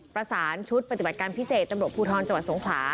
ประสานชุดปฏิบัติการพิเศษตำรวจภูทรจังหวัดสงขลา